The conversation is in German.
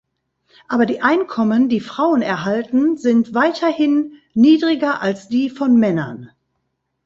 Aber die Einkommen, die Frauen erhalten, sind weiterhin niedriger als die von Männern.